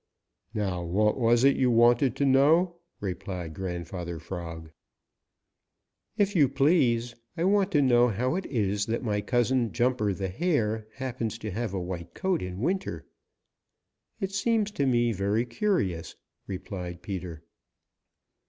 Now what was it you wanted to know?" replied Grandfather Frog. "If you please, I want to know how it is that my cousin, Jumper the Hare, happens to have a white coat in winter. It seems to me very curious," replied Peter.